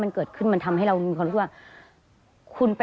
เพื่อที่จะได้หายป่วยทันวันที่เขาชีจันทร์จังหวัดชนบุรี